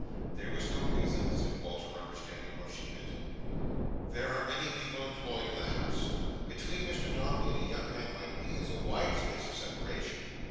"There was no reason," said Walter, understanding what she meant. "There are many people employed in the House. Between Mr Dombey and a young man like me, there's a wide space of separation.